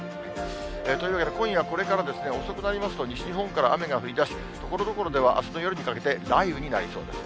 というわけで、今夜これからですね、遅くなりますと、西日本から雨が降りだし、ところどころでは、あすの夜にかけて雷雨になりそうです。